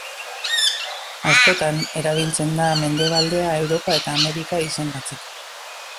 Askotan, erabiltzen da mendebaldea Europa eta Amerika izendatzeko.